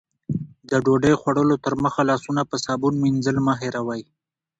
د ډوډۍ خوړلو تر مخه لاسونه په صابون مینځل مه هېروئ.